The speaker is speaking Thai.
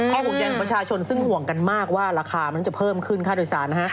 ห่วงใยของประชาชนซึ่งห่วงกันมากว่าราคามันจะเพิ่มขึ้นค่าโดยสารนะฮะ